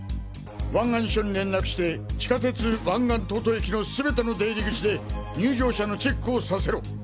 湾岸署に連絡して地下鉄湾岸東都駅のすべての出入口で入場者のチェックをさせろ。